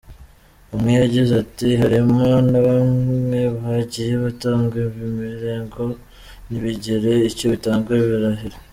Umwe yagize ati “Harimo na bamwe bagiye batanga ibirego ntibigire icyo bitanga, barahari.